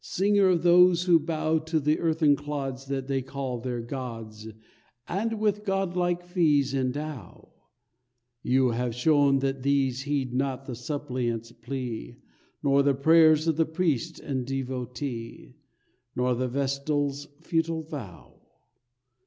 Singer of those who bow To the earthen clods that they call their gods And with god like fees endow; You have shown that these heed not the suppliant's plea, Nor the prayers of the priest and devotee, Nor the vestal's futile vow.